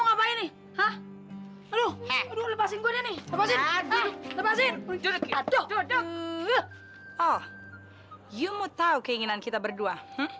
oh kamu tahu keinginan kita berdua